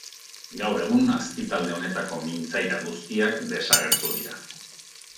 Gaur egun azpitalde honetako mintzaira guztiak desagertu dira.